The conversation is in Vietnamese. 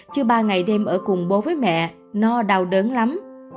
chứ ba ngày đêm ở cùng bố với mẹ no đau đớn lắm